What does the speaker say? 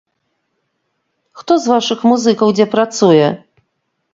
Хто з вашых музыкаў дзе працуе?